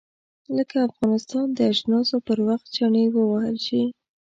لکه افغانستان د اجناسو پر وخت چنې ووهل شي.